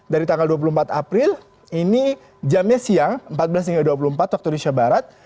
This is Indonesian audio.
dari tanggal dua puluh empat april ini jamnya siang empat belas hingga dua puluh empat waktu indonesia barat